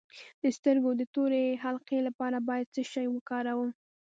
د سترګو د تورې حلقې لپاره باید څه شی وکاروم؟